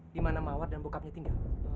di mana mawar dan bokapnya tinggal